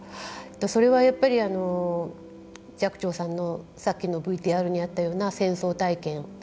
それはやっぱり寂聴さんのさっきのＶＴＲにもあったような戦争体験